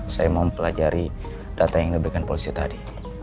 saya mempelajari data yang diberikan polisi tadi